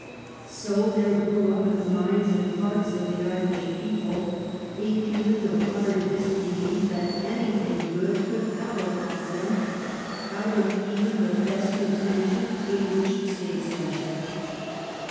So there grew up in the minds and hearts of the Irish people a feeling of utter disbelief that anything good could ever come for them out of even the best inten tioned English statesmanship.